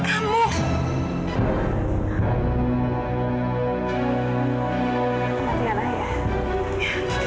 tentang kematian ayah